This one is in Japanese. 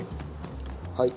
はい。